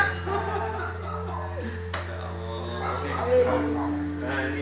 ini harga besar ya